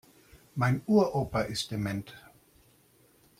Mein Uropa ist dement.